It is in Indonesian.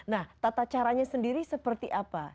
nah tata caranya sendiri seperti apa